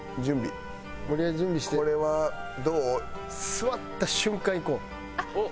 座った瞬間いこう。